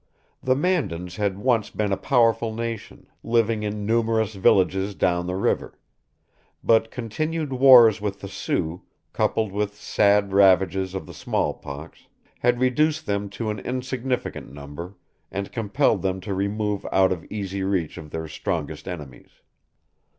The Mandans had once been a powerful nation, living in numerous villages down the river; but continued wars with the Sioux, coupled with sad ravages of the small pox, had reduced them to an insignificant number, and compelled them to remove out of easy reach of their strongest enemies.